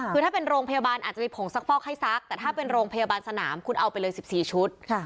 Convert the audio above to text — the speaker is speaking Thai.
คือถ้าเป็นโรงพยาบาลอาจจะมีผงซักฟอกให้ซักแต่ถ้าเป็นโรงพยาบาลสนามคุณเอาไปเลย๑๔ชุด